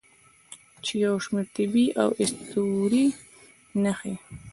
چې یو شمیر طبیعي او اسطوروي نښې